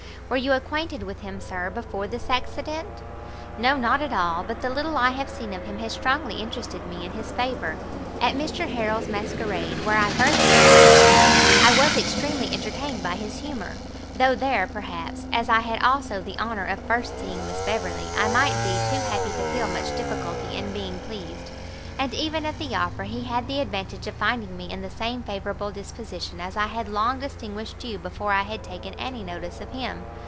"Were you acquainted with him, Sir, before this accident?" "No, not at all; but the little I have seen of him has strongly interested me in his favour: at Mr Harrel's masquerade, where I first met with him, I was extremely entertained by his humour, though there, perhaps, as I had also the honour of first seeing Miss Beverley, I might be too happy to feel much difficulty in being pleased. And even at the Opera he had the advantage of finding me in the same favourable disposition, as I had long distinguished you before I had taken any notice of him.